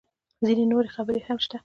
_ځينې نورې خبرې هم شته.